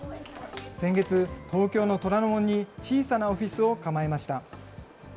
先月、東京の虎ノ門に小さなオフィスを構えました。